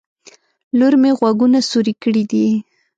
لور مې غوږونه سوروي کړي دي